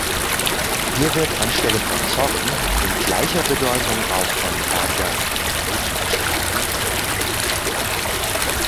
Hier wird anstelle von Zorn in gleicher Bedeutung auch von Ärger oder Wut gesprochen.